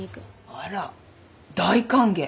あら大歓迎。